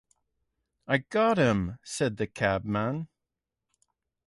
"I got him," said the cabman.